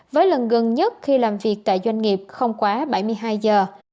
với lần gần nhất khi làm việc tại doanh nghiệp không quá bảy mươi hai giờ